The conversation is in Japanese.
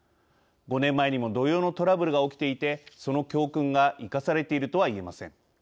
５年前にも同様のトラブルが起きていてその教訓が生かされているとは言えません。